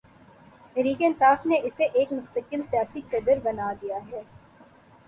تحریک انصاف نے اسے ایک مستقل سیاسی قدر بنا دیا ہے۔